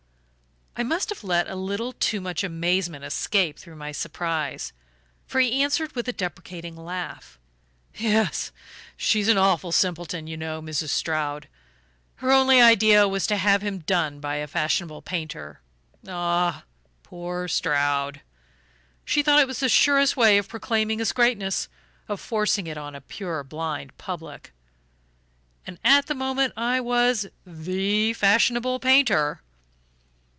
I must have let a little too much amazement escape through my surprise, for he answered with a deprecating laugh: "Yes she's an awful simpleton, you know, Mrs. Stroud. Her only idea was to have him done by a fashionable painter ah, poor Stroud! She thought it the surest way of proclaiming his greatness of forcing it on a purblind public. And at the moment I was THE fashionable painter."